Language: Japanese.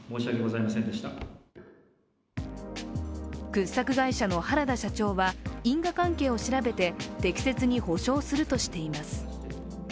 掘削会社の原田社長は、因果関係を調べて適切に補償するとしています。